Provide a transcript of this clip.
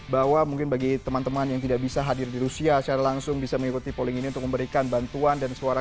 bahwa mungkin bagi teman teman yang tidak bisa hadir di rusia secara langsung bisa mengikuti polling ini untuk memberikan bantuan dan suara